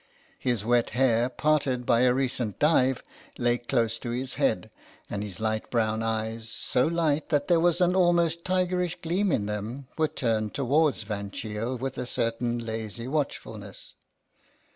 His wet hair, parted by a recent dive, lay close to his head, and his light brown eyes, so light that there was an almost tigerish gleam in them, were turned towards Van Cheele with a certain lazy watchfulness.